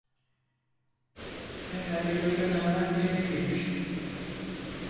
Herhalde localardan birine girmişti.